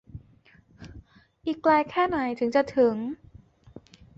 อีกไกลแค่ไหนถึงจะถึง